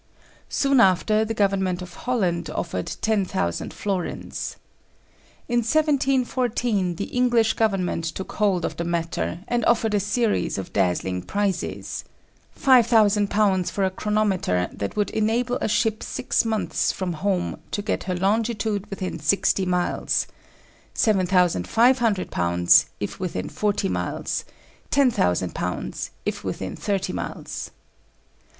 Soon after, the government of Holland offered ten thousand florins. In 1714 the English government took hold of the matter, and offered a series of dazzling prizes: Five thousand pounds for a chronometer that would enable a ship six months from home to get her longitude within sixty miles; seven thousand five hundred pounds, if within forty miles; ten thousand pounds if within thirty miles.